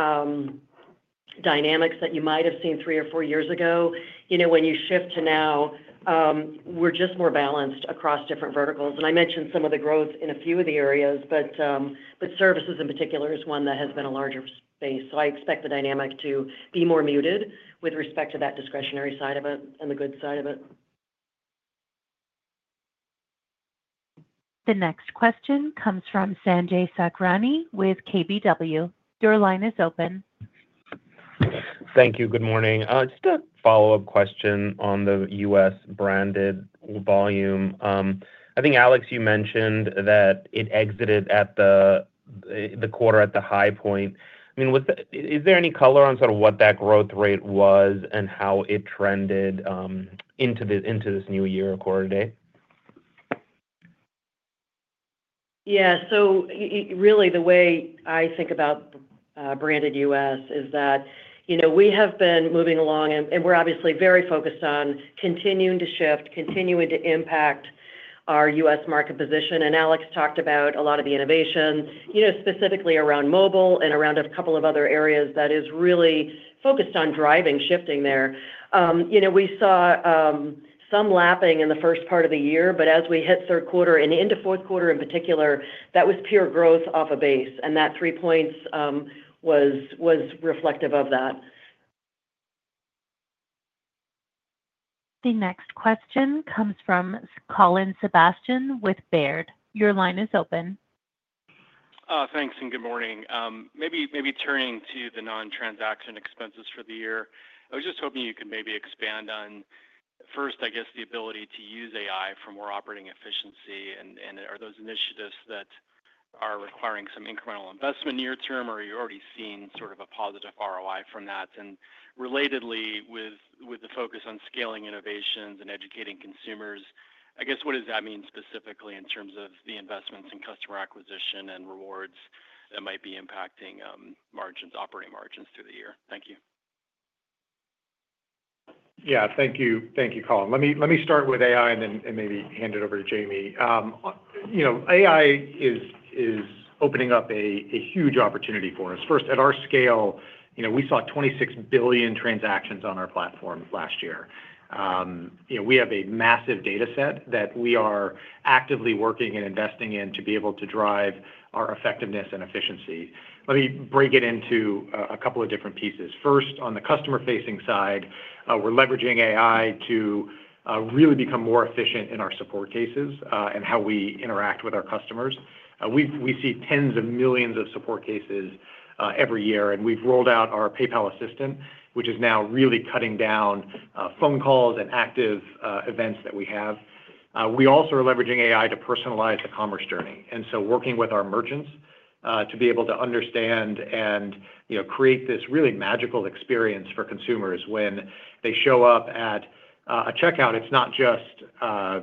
dynamics that you might have seen three or four years ago, when you shift to now, we're just more balanced across different verticals. And I mentioned some of the growth in a few of the areas, but services in particular is one that has been a larger space. So I expect the dynamic to be more muted with respect to that discretionary side of it and the good side of it. The next question comes from Sanjay Sakhrani with KBW. Your line is open. Thank you. Good morning. Just a follow-up question on the U.S. branded volume. I think, Alex, you mentioned that it exited at the quarter at the high point. I mean, is there any color on sort of what that growth rate was and how it trended into this new year or quarter to date? Yeah. So really, the way I think about branded U.S. is that we have been moving along, and we're obviously very focused on continuing to shift, continuing to impact our U.S. market position. And Alex talked about a lot of the innovation, specifically around mobile and around a couple of other areas that is really focused on driving shifting there. We saw some lapping in the first part of the year, but as we hit third quarter and into fourth quarter in particular, that was pure growth off a base, and that three points was reflective of that. The next question comes from Colin Sebastian with Baird. Your line is open. Thanks, and good morning. Maybe turning to the non-transaction expenses for the year, I was just hoping you could maybe expand on, first, I guess, the ability to use AI for more operating efficiency. And are those initiatives that are requiring some incremental investment near term, or are you already seeing sort of a positive ROI from that? And relatedly, with the focus on scaling innovations and educating consumers, I guess, what does that mean specifically in terms of the investments in customer acquisition and rewards that might be impacting operating margins through the year? Thank you. Yeah. Thank you, Colin. Let me start with AI and then maybe hand it over to Jamie. AI is opening up a huge opportunity for us. First, at our scale, we saw 26 billion transactions on our platform last year. We have a massive dataset that we are actively working and investing in to be able to drive our effectiveness and efficiency. Let me break it into a couple of different pieces. First, on the customer-facing side, we're leveraging AI to really become more efficient in our support cases and how we interact with our customers. We see tens of millions of support cases every year, and we've rolled out our PayPal Assistant, which is now really cutting down phone calls and active events that we have. We also are leveraging AI to personalize the commerce journey. Working with our merchants to be able to understand and create this really magical experience for consumers when they show up at a checkout, it's not just a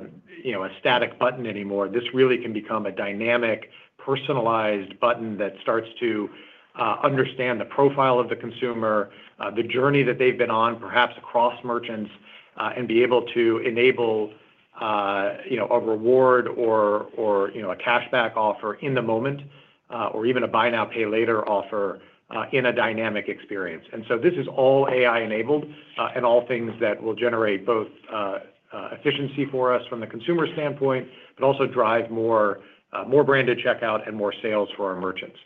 static button anymore. This really can become a dynamic, personalized button that starts to understand the profile of the consumer, the journey that they've been on, perhaps across merchants, and be able to enable a reward or a cashback offer in the moment, or even a buy now, pay later offer in a dynamic experience. This is all AI-enabled and all things that will generate both efficiency for us from the consumer standpoint, but also drive more branded checkout and more sales for our merchants.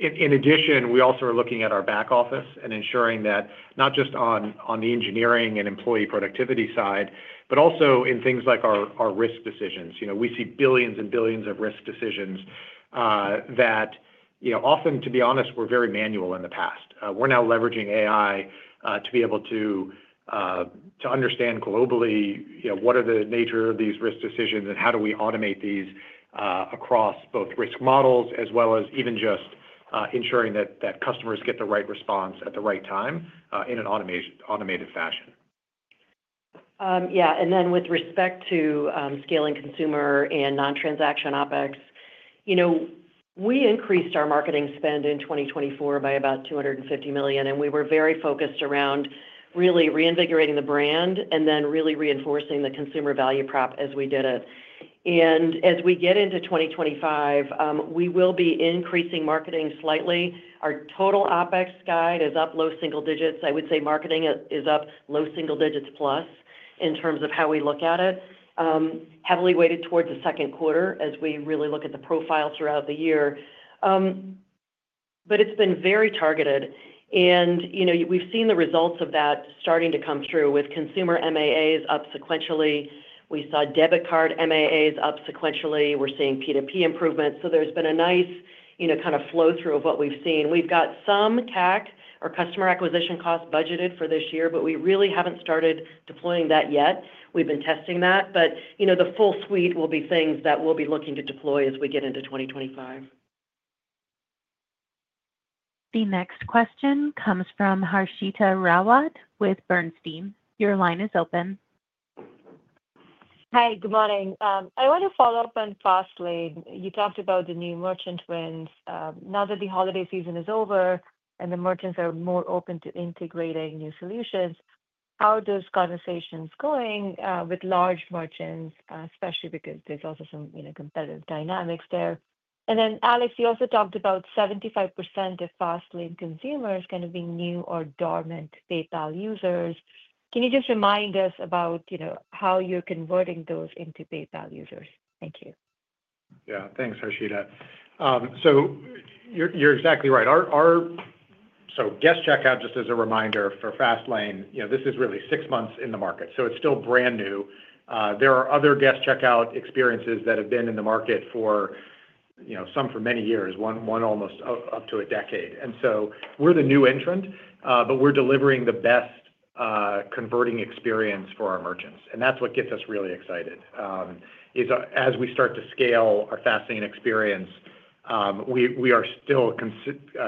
In addition, we also are looking at our back office and ensuring that not just on the engineering and employee productivity side, but also in things like our risk decisions. We see billions and billions of risk decisions that, often, to be honest, were very manual in the past. We're now leveraging AI to be able to understand globally what are the nature of these risk decisions and how do we automate these across both risk models as well as even just ensuring that customers get the right response at the right time in an automated fashion. Yeah. And then with respect to scaling consumer and non-transaction OpEx, we increased our marketing spend in 2024 by about $250 million. And we were very focused around really reinvigorating the brand and then really reinforcing the consumer value prop as we did it. And as we get into 2025, we will be increasing marketing slightly. Our total OpEx guide is up low single digits. I would say marketing is up low single digits plus in terms of how we look at it, heavily weighted towards the second quarter as we really look at the profile throughout the year. But it's been very targeted. And we've seen the results of that starting to come through with consumer MAAs up sequentially. We saw debit card MAAs up sequentially. We're seeing P2P improvements. So there's been a nice kind of flow through of what we've seen. We've got some CAC, our customer acquisition cost, budgeted for this year, but we really haven't started deploying that yet. We've been testing that. But the full suite will be things that we'll be looking to deploy as we get into 2025. The next question comes from Harshita Rawat with Bernstein. Your line is open. Hi. Good morning. I want to follow up on Fastlane. You talked about the new merchant wins. Now that the holiday season is over and the merchants are more open to integrating new solutions, how are those conversations going with large merchants, especially because there's also some competitive dynamics there? And then, Alex, you also talked about 75% of Fastlane consumers kind of being new or dormant PayPal users. Can you just remind us about how you're converting those into PayPal users? Thank you. Yeah. Thanks, Harshita. So you're exactly right. So guest checkout, just as a reminder for Fastlane, this is really six months in the market. So it's still brand new. There are other guest checkout experiences that have been in the market for some for many years, one almost up to a decade. And so we're the new entrant, but we're delivering the best converting experience for our merchants. That's what gets us really excited, is as we start to scale our Fastlane experience, we are still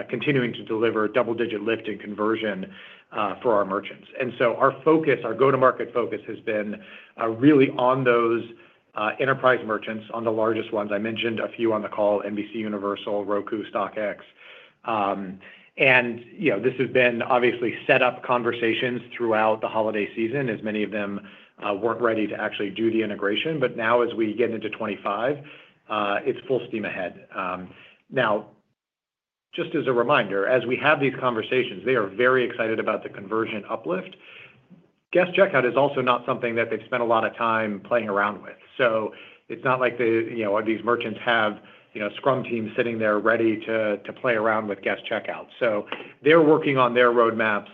continuing to deliver double-digit lift in conversion for our merchants. And so our focus, our go-to-market focus has been really on those enterprise merchants, on the largest ones. I mentioned a few on the call: NBCUniversal, Roku, StockX. And this has been obviously set up conversations throughout the holiday season, as many of them weren't ready to actually do the integration. But now, as we get into 2025, it's full steam ahead. Now, just as a reminder, as we have these conversations, they are very excited about the conversion uplift. Guest checkout is also not something that they've spent a lot of time playing around with. So it's not like these merchants have scrum teams sitting there ready to play around with guest checkout. So they're working on their roadmaps.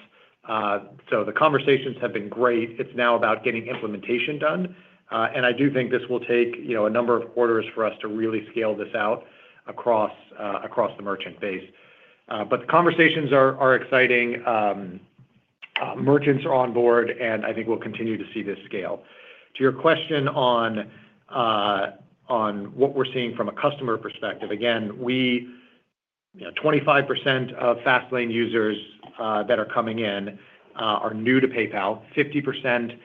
The conversations have been great. It's now about getting implementation done. I do think this will take a number of quarters for us to really scale this out across the merchant base. The conversations are exciting. Merchants are on board, and I think we'll continue to see this scale. To your question on what we're seeing from a customer perspective, again, 25% of Fastlane users that are coming in are new to PayPal. 50%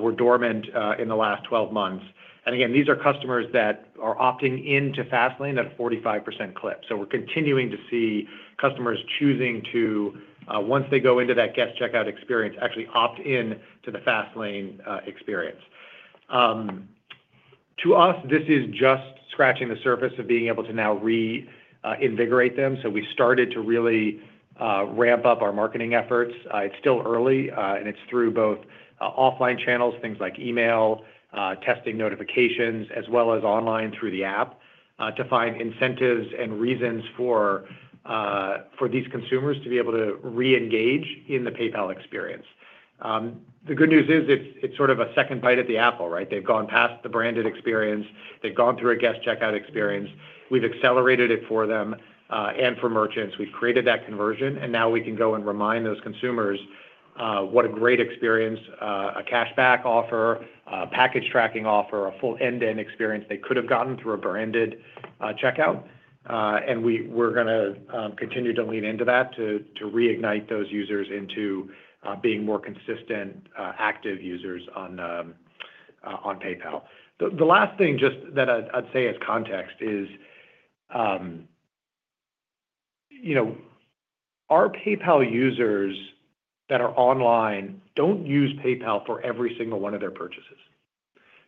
were dormant in the last 12 months. Again, these are customers that are opting into Fastlane at a 45% clip. We're continuing to see customers choosing to, once they go into that guest checkout experience, actually opt in to the Fastlane experience. To us, this is just scratching the surface of being able to now reinvigorate them. We started to really ramp up our marketing efforts. It's still early, and it's through both offline channels, things like email, testing notifications, as well as online through the app, to find incentives and reasons for these consumers to be able to reengage in the PayPal experience. The good news is it's sort of a second bite at the apple, right? They've gone past the branded experience. They've gone through a guest checkout experience. We've accelerated it for them and for merchants. We've created that conversion, and now we can go and remind those consumers what a great experience, a cashback offer, a package tracking offer, a full end-to-end experience they could have gotten through a branded checkout, and we're going to continue to lean into that to reignite those users into being more consistent, active users on PayPal. The last thing, just that I'd say as context, is our PayPal users that are online don't use PayPal for every single one of their purchases.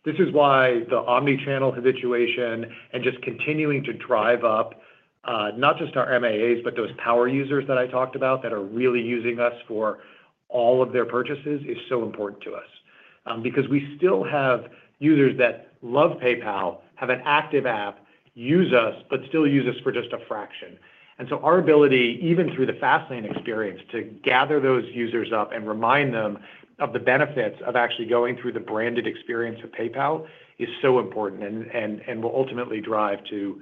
This is why the omnichannel habituation and just continuing to drive up not just our MAAs, but those power users that I talked about that are really using us for all of their purchases is so important to us. Because we still have users that love PayPal, have an active app, use us, but still use us for just a fraction, and so our ability, even through the Fastlane experience, to gather those users up and remind them of the benefits of actually going through the branded experience of PayPal is so important and will ultimately drive to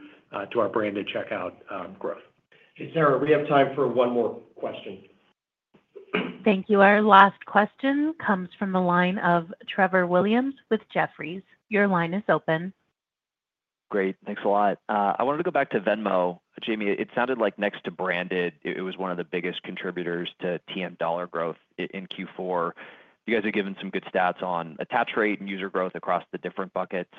our branded checkout growth. Sarah, we have time for one more question. Thank you. Our last question comes from the line of Trevor Williams with Jefferies. Your line is open. Great. Thanks a lot. I wanted to go back to Venmo. Jamie, it sounded like next to branded, it was one of the biggest contributors to TM dollar growth in Q4. You guys are giving some good stats on attach rate and user growth across the different buckets.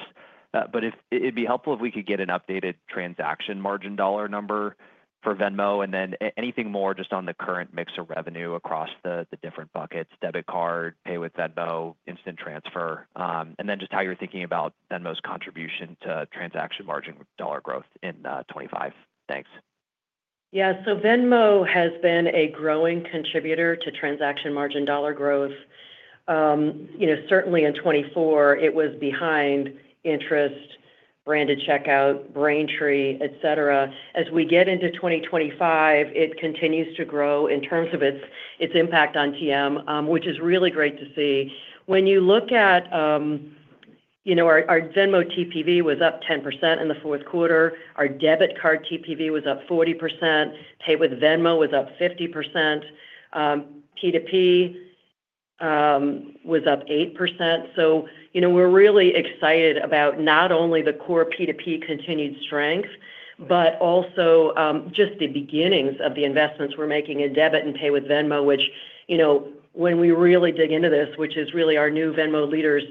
But it'd be helpful if we could get an updated transaction margin dollar number for Venmo and then anything more just on the current mix of revenue across the different buckets: debit card, Pay with Venmo, instant transfer, and then just how you're thinking about Venmo's contribution to transaction margin dollar growth in 2025. Thanks. Yeah. So Venmo has been a growing contributor to transaction margin dollar growth. Certainly in 2024, it was behind interest, branded checkout, Braintree, etc. As we get into 2025, it continues to grow in terms of its impact on TM, which is really great to see. When you look at our Venmo TPV, it was up 10% in the fourth quarter. Our debit card TPV was up 40%. Pay with Venmo was up 50%. P2P was up 8%. So we're really excited about not only the core P2P continued strength, but also just the beginnings of the investments we're making in debit and Pay with Venmo, which when we really dig into this, which is really our new Venmo leaders'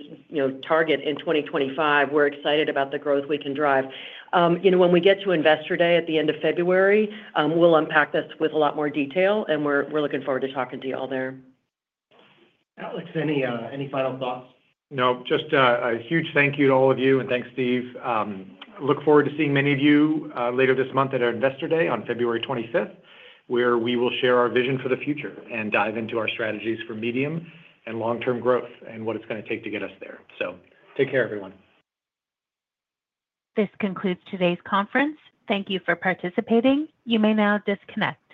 target in 2025, we're excited about the growth we can drive. When we get to Investor Day at the end of February, we'll unpack this with a lot more detail, and we're looking forward to talking to you all there. Alex, any final thoughts? Nope. Just a huge thank you to all of you, and thanks, Steve. Look forward to seeing many of you later this month at our Investor Day on February 25th, where we will share our vision for the future and dive into our strategies for medium and long-term growth and what it's going to take to get us there. So take care, everyone. This concludes today's conference. Thank you for participating. You may now disconnect.